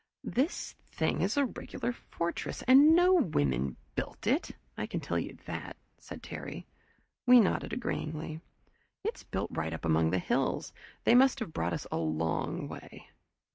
"This thing is a regular fortress and no women built it, I can tell you that," said Terry. We nodded agreeingly. "It's right up among the hills they must have brought us a long way."